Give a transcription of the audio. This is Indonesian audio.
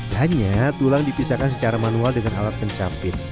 hanya tulang dipisahkan secara manual dengan alat pencapit